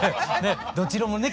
どちらもね